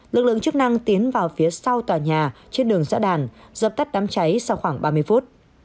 lực lượng chức năng tiến vào phía sau tòa nhà trên đường xã đàn dập tắt đám cháy sau khoảng ba mươi phút